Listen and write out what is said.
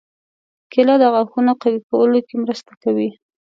کېله د غاښونو قوي کولو کې مرسته کوي.